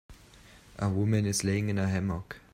A woman is laying in a hammock.